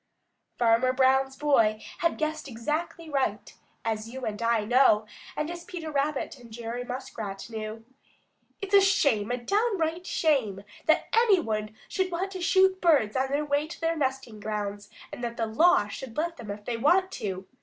Farmer Brown's boy had guessed exactly right, as you and I know, and as Peter Rabbit and Jerry Muskrat knew. "It's a shame, a downright shame that any one should want to shoot birds on their way to their nesting grounds and that the law should let them if they do want to.